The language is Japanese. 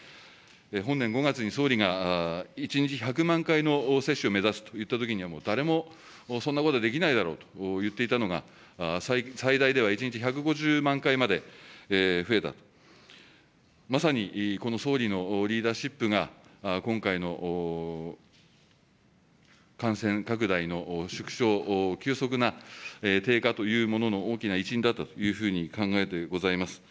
本年５月に総理が１日１００万回の接種を目指すと言ったときには、誰もそんなことできないだろうと言っていたのが、最大では１日１５０万回まで増えたと、まさにこの総理のリーダーシップが、今回の感染拡大の縮小、急速な低下というものの大きな一因だというふうに考えてございます。